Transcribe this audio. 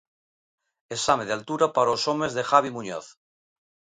Exame de altura para os homes de Javi Muñoz.